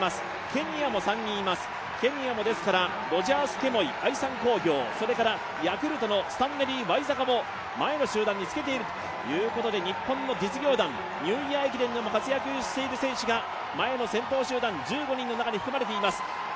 ケニアも３人います、ロジャース・ケモイ、愛三工業、ヤクルトのスタンネリー・ワイザカも前の方につけているということで日本の実業団、ニューイヤー駅伝でも活躍している選手が前の先頭集団１５人の中に含まれています。